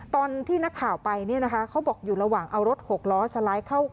ตอนที่นักข่าวไปเนี่ยนะคะเขาบอกอยู่ระหว่างเอารถหกล้อสไลด์เข้า